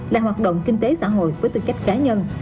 là hoạt động kinh tế xã hội với tư cách cá nhân